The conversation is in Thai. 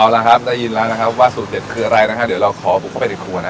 เอาละครับได้ยินแล้วนะครับว่าสูตรเด็ดคืออะไรนะฮะเดี๋ยวเราขอบุกเข้าไปในครัวนะ